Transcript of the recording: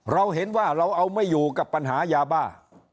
เราเห็นว่าเราเอาไม่อยู่กับปัญหายาบ้า